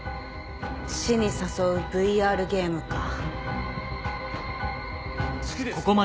死に誘うＶＲゲームか。